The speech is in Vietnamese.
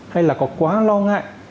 hay là có quá lo ngại